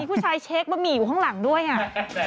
ผู้ชายเช็คบะหมี่อยู่ข้างหลังด้วยอ่ะ